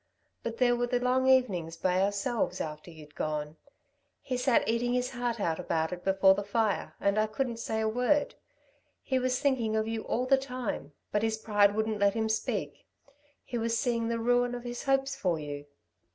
But there were the long evenings by ourselves, after you'd gone. He sat eating his heart out about it before the fire, and I couldn't say a word. He was thinking of you all the time but his pride wouldn't let him speak. He was seeing the ruin of his hopes for you.